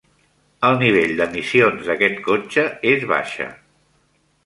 El nivell d'emissions d'aquest cotxe és baixa.